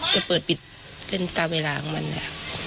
จะเปิดปิดเล่นตามเวลาของมัน